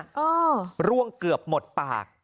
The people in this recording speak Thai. เรื่องที่สุดก็ค่ารักษาฟันที่ร่วงเกือบหมดปากนี่แหละ